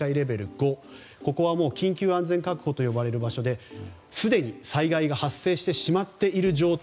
５緊急安全確保と呼ばれる状況ですでに災害が発生してしまっている状態。